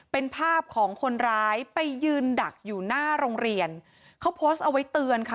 เป็นภาพของคนร้ายไปยืนดักอยู่หน้าโรงเรียนเขาโพสต์เอาไว้เตือนค่ะ